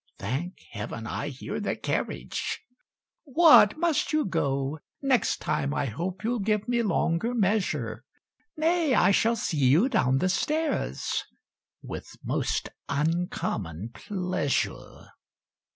(Thank Heaven, I hear the carriage!) "What! must you go? next time I hope You'll give me longer measure; Nay I shall see you down the stairs (With most uncommon pleasure!)